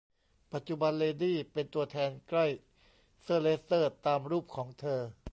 ปัจจุบันเลดี้เป็นตัวแทนใกล้เซอร์เลสเตอร์ตามรูปของเธอ